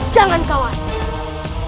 jangan kau lakukan